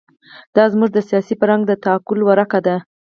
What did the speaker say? دا زموږ د سیاسي فرهنګ د تعقل ورکه ده.